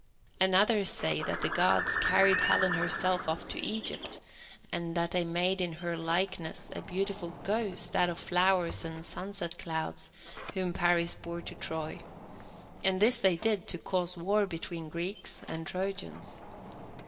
And others say that the Gods carried Helen herself off to Egypt, and that they made in her likeness a beautiful ghost, out of flowers and sunset clouds, whom Paris bore to Troy, and this they did to cause war between Greeks and Trojans.